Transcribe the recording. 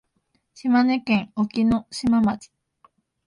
島根県隠岐の島町